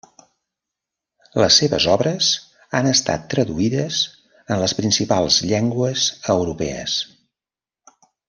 Les seves obres han estat traduïdes en les principals llengües europees.